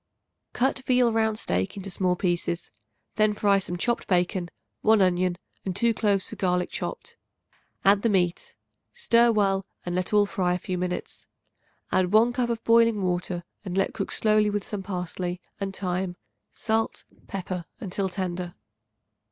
Cut veal round steak into small pieces. Then fry some chopped bacon, 1 onion and 2 cloves of garlic chopped; add the meat; stir well and let all fry a few minutes. Add 1 cup of boiling water and let cook slowly with some parsley and thyme, salt, pepper, until tender.